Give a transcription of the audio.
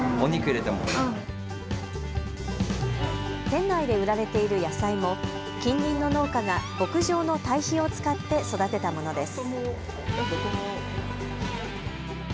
店内で売られている野菜も近隣の農家が牧場の堆肥を使って育てたものです。